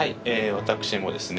私もですね